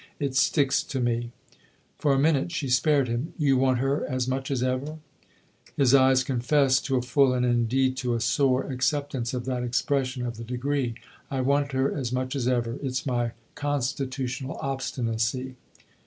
It sticks to me !" For a minute she spared him. "You want her as much as ever ?" THE OTHER HOUSE 119 His eyes confessed to a full and indeed to a sore acceptance of that expression of the degree. " I want her as much as ever. It's my constitu tional obstinacy